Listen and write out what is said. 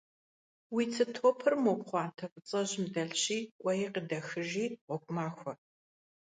Уи цы топыр мо пхъуантэ фӀыцӀэжьым дэлъщи кӀуэи къыдэхыжи, гъуэгу махуэ.